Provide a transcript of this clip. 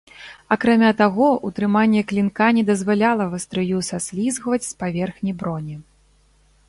Акрамя таго, утрыманне клінка не дазваляла вастрыю саслізгваць з паверхні броні.